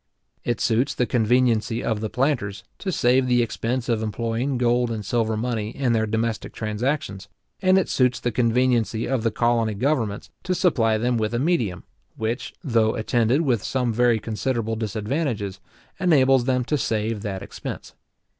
It suits the conveniency of the planters, to save the expense of employing gold and silver money in their domestic transactions; and it suits the conveniency of the colony governments, to supply them with a medium, which, though attended with some very considerable disadvantages, enables them to save that expense.